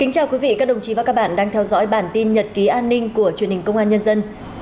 chào mừng quý vị đến với bản tin nhật ký an ninh của truyền hình công an nhân dân